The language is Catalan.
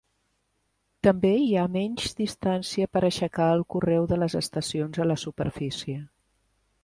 També hi ha menys distància per aixecar el correu de les estacions a la superfície.